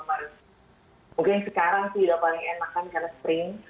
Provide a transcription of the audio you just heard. mungkin sekarang sih udah paling enakan karena spring